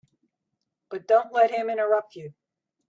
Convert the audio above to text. But don't let him interrupt you.